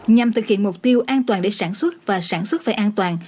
nhằm thực hiện mục tiêu an toàn để sản xuất và sản xuất phải an toàn